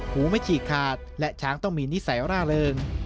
หูไม่ฉีกขาดและช้างต้องมีนิสัยร่าเริง